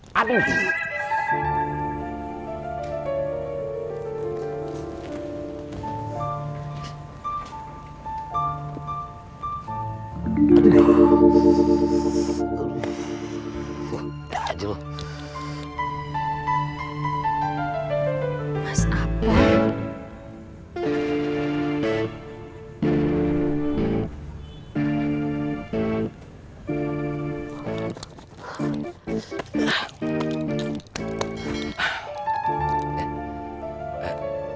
mandara makanan hua statewide